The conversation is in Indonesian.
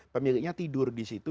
pemiliknya tidur disitu